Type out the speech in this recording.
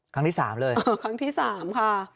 ครั้งที่๓เลยครั้งที่๓ค่ะ